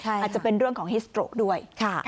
อาจจะเป็นเรื่องของฮิสโตรกด้วย